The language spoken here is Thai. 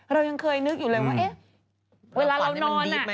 เรายังเคยนึกอยู่เลยว่าเอ๊ะเวลาเรานอน